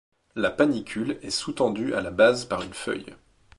La panicule est sous-tendue à la base par une feuille.